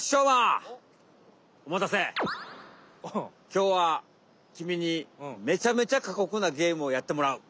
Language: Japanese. きょうはきみにめちゃめちゃかこくなゲームをやってもらう。